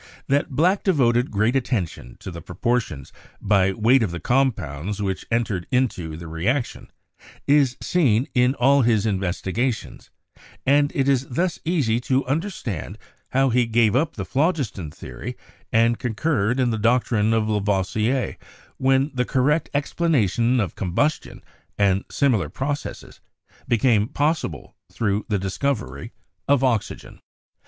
That Black devoted great attention to the proportions by weight of the compounds which entered into the reaction is seen in all his investigations; and it is thus easy to un derstand how he gave up the phlogiston theory and con curred in the doctrine of Lavoisier when the correct ex planation of combustion and similar processes became possible through the discovery of oxygen.